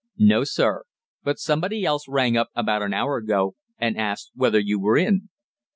"No, sir. But somebody else rang up about an hour ago, and asked whether you were in."